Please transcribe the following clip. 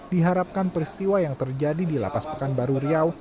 diharapkan peristiwa yang terjadi di lapas pekanbaru riau